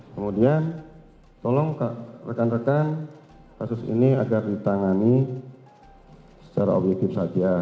kemudian tolong rekan rekan kasus ini agar ditangani secara objektif saja